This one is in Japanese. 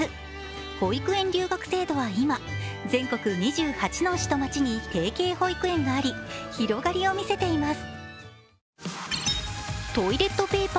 保育園留学制度は今、全国２８の市と町に提携保育園があり広がりをみせています。